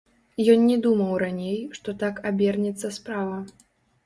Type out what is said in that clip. Ён не думаў раней, што так абернецца справа.